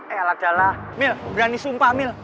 eladalah mil berani sumpah mil